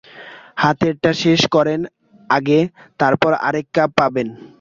হাতেরটা শেষ করেন আগে তারপর আরেক কাপ পাবেন।